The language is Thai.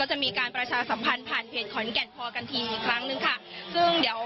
ก็จะมีการประชาสัมพันธ์ผ่านเพจขอนแกนพอกันคีย์อีกครั้งนึงค่ะ